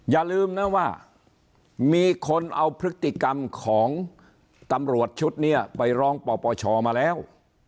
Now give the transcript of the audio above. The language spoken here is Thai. อย่าลืมนะว่ามีคนเอาพฤติกรรมของตำรวจชุดนี้ไปร้องปปชมาแล้ว